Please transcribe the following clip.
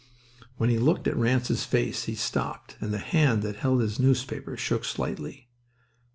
When he looked at Ranse's face he stopped, and the hand that held his newspaper shook slightly.